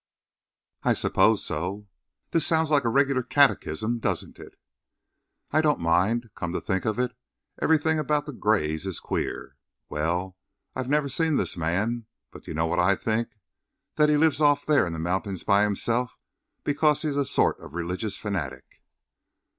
"I suppose so." "This sounds like a regular catechism, doesn't it?" "I don't mind. Come to think of it, everything about the grays is queer. Well, I've never seen this man, but do you know what I think? That he lives off there in the mountains by himself because he's a sort of religious fanatic."